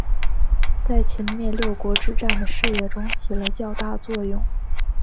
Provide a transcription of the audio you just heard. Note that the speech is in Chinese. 在秦灭六国之战的事业中起了较大作用。